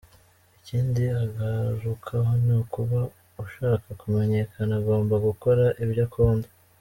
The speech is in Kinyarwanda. Ikindi agarukaho ni ukuba ushaka kumenyekana agomba gukora ibyo akunda.